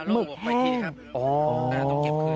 มึกแห้งอ๋อต้องเก็บคืนครับ